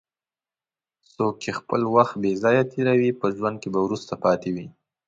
څوک چې خپل وخت بې ځایه تېروي، په ژوند کې به وروسته پاتې شي.